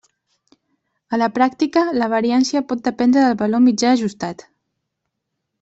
A la pràctica, la variància pot dependre del valor mitjà ajustat.